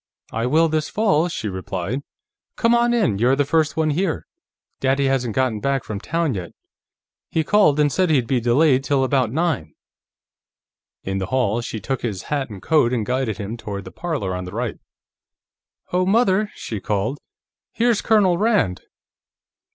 "I will, this fall," she replied. "Come on in; you're the first one here. Daddy hasn't gotten back from town yet. He called and said he'd be delayed till about nine." In the hall she took his hat and coat and guided him toward the parlor on the right. "Oh, Mother!" she called. "Here's Colonel Rand!"